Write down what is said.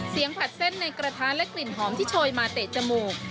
ผัดเส้นในกระทะและกลิ่นหอมที่โชยมาเตะจมูก